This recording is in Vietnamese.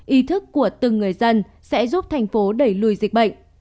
ý thức của từng người dân sẽ giúp thành phố đẩy lùi dịch bệnh